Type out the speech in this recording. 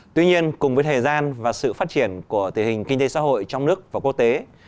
tuy nhiên cùng với thời gian và sự phát triển của tình hình kinh tế xã hội trong nước và quốc tế